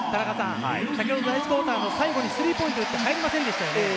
先ほど、第１クオーターの最後にスリーポイントを打って入りませんでしたよね。